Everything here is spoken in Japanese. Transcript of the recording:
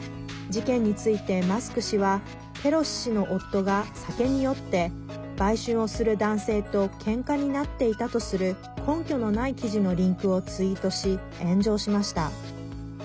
事件について、マスク氏はペロシ氏の夫が酒に酔って売春をする男性とけんかになっていたとする根拠のない記事のリンクをツイートし、炎上しました。